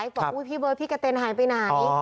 บอกอุ๊ยพี่เบิร์ดพี่กะเต็นหายไปไหน